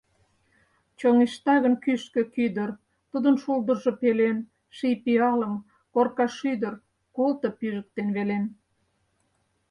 Чоҥешта гын кӱшкӧ кӱдыр, Тудын шулдыржо пелен, Ший пиалым, Коркашӱдыр, Колто пижыктен, велен.